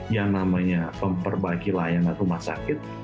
yang namanya memperbaiki layanan rumah sakit